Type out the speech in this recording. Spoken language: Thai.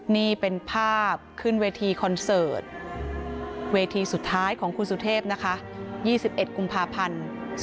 นี่เป็นภาพขึ้นเวทีคอนเสิร์ตเวทีสุดท้ายของคุณสุเทพนะคะ๒๑กุมภาพันธ์๒๕๖